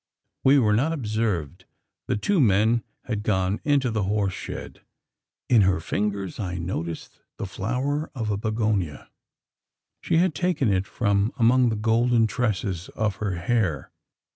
We were not observed. The two men had gone into the horse shed. In her fingers, I noticed the flower of a bignonia. She had taken it from among the golden tresses of her hair.